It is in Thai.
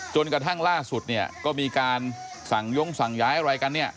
จนกระทั่งล่าสุดเนี่ยก็มีการสั่งย้งสั่งย้ายอะไรกันเนี่ย